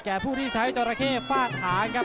แก่ผู้ที่ใช้จราเข้ฝาดหานะครับ